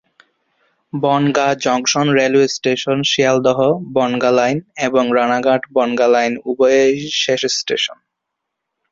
Bongaon junction railway station Sealdah-Bangaon line এবং Ranaghat-Bongaon line উভয়ের শেষ স্টেশন।